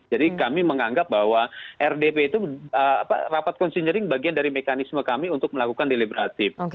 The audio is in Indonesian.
jadi kami menganggap bahwa rdp itu rapat considering bagian dari mekanisme kami untuk melakukan deliberatif